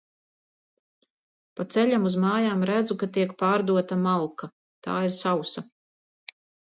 Pa ceļam uz mājām redzu, ka tiek pārdota malka – tā ir sausa.